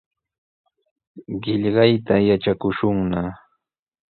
Qillqayta yatrakushunna.